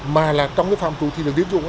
mà là trong cái phạm tù thị trường tiến dụng